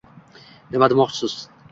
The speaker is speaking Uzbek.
Nima demoqchisiz?